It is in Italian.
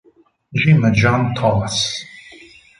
Jim e John Thomas